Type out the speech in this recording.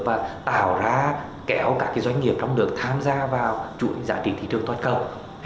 và tạo ra kéo các doanh nghiệp trong nước tham gia vào chuỗi giá trị thị trường toàn cầu